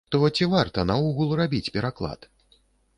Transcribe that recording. То ці варта наогул рабіць пераклад?